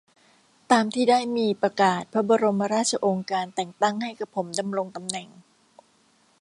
ตามที่ได้มีประกาศพระบรมราชโองการแต่งตั้งให้กระผมดำรงตำแหน่ง